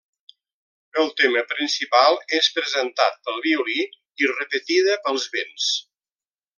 El tema principal és presentat pel violí i repetida pels vents.